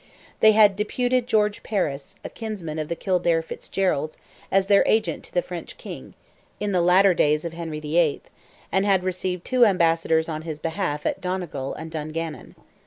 They had deputed George Paris, a kinsman of the Kildare Fitzgeralds, as their agent to the French King, in the latter days of Henry VIII., and had received two ambassadors on his behalf at Donegal and Dungannon.